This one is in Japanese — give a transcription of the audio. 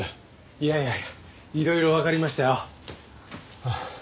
いやいやいやいろいろわかりましたよ。